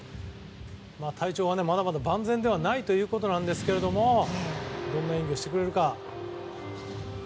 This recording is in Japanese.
体調はまだ万全ではないということですがどんな演技をしてくれるか。